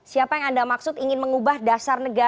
siapa yang anda maksud ingin mengubah dasar negara